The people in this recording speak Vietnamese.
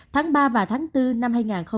tháng ba và tháng bốn năm hai nghìn hai mươi